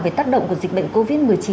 về tác động của dịch bệnh covid một mươi chín